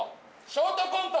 ショートコント